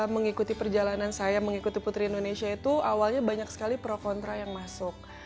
mengikuti perjalanan saya mengikuti putri indonesia itu awalnya banyak sekali pro kontra yang masuk